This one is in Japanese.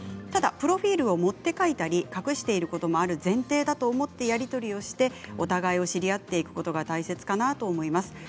ただプロフィールをもって書いたり隠してることもあるのが前提だと思っていたりしてお互いを知り合っていくことが大切かなと思います。